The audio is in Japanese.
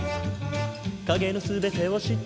「影の全てを知っている」